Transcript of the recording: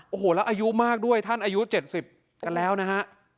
โอ้โหแล้วอายุมากด้วยท่านอายุ๗๐กันแล้วนะฮะ